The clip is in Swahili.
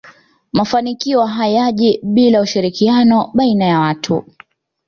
mafanikio hayaji bila ushirikiano baiana ya watu